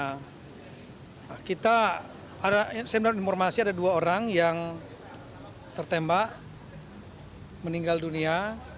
nah kita saya mendapat informasi ada dua orang yang tertembak meninggal dunia